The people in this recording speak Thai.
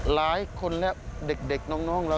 หลายคนและเด็กน้องเรา